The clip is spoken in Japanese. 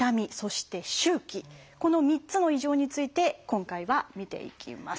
この３つの異常について今回は見ていきます。